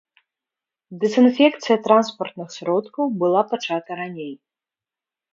Дэзінфекцыя транспартных сродкаў была пачата раней.